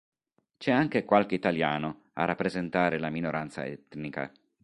C'è anche qualche italiano, a rappresentare la "minoranza etnica".